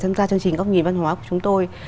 tham gia chương trình góc nhìn văn hóa của chúng tôi